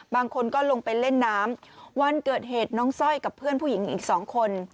บางคนก็ลงไปเล่นน้ำวันเกิดเหตุน้องสร้อยกับเพื่อนผู้หญิงอีกสองคน